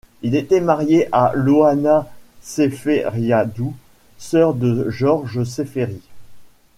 Il était marié à Ioanna Seferiádou, sœur de Georges Séféris.